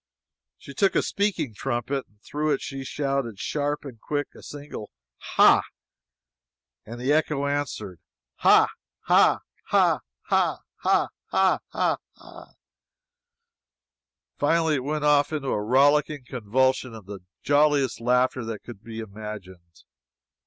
She took a speaking trumpet and through it she shouted, sharp and quick, a single "Ha!" The echo answered: "Ha! ha! ha! ha! ha! ha! ha! h a a a a a!" and finally went off into a rollicking convulsion of the jolliest laughter that could be imagined.